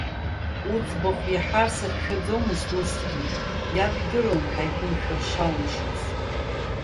Уӡбахә иаҳар сацәшәаӡомызт усгьы, иаб идыруан ҳаиқәымшәар шалымшоз.